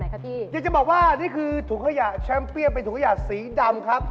กลิ่นแอปเปิล